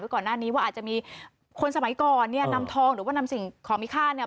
ก่อนหน้านี้ว่าอาจจะมีคนสมัยก่อนเนี่ยนำทองหรือว่านำสิ่งของมีค่าเนี่ย